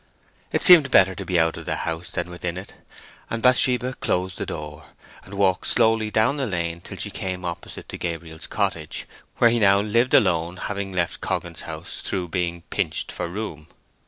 It seemed better to be out of the house than within it, and Bathsheba closed the door, and walked slowly down the lane till she came opposite to Gabriel's cottage, where he now lived alone, having left Coggan's house through being pinched for room.